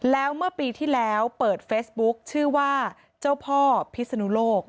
แล้วเมื่อปีที่แล้วเปิดเฟซบุ๊คชื่อว่าเจ้าพ่อพิศนุโลก